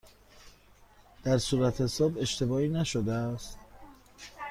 در صورتحساب اشتباهی نشده است؟